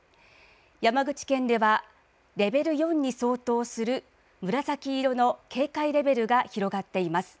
山口県ではレベル４に相当する紫色の警戒レベルが広がっています。